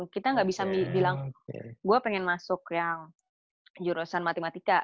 kita gak bisa bilang gue pengen masuk yang penjurusan matematika